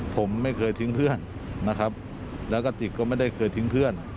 ผมไม่เคยทิ้งเพื่อนนะครับแล้วก็ติกก็ไม่ได้เคยทิ้งเพื่อน